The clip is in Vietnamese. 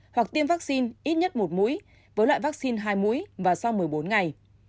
hoặc tiêm vaccine ít nhất một mũi với loại vaccine hai mũi và sau một mươi bốn ngày